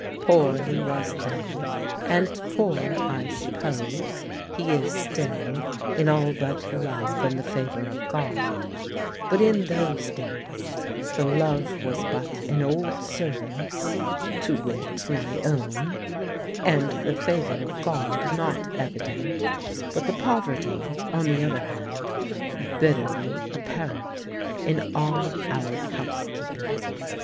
Poor he was then, and poor, I suppose, he is still in all but love and the favour of God; but in those days the love was but an old servant's (to wit, my own), and the favour of God not evident, but the poverty, on the other hand, bitterly apparent in all our housekeeping.